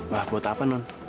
wah buat apa non